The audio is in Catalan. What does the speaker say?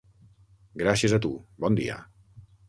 Gràcies a tu, bon dia.